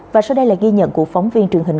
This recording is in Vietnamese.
và sau đây là ghi nhận của phóng viên truyền hình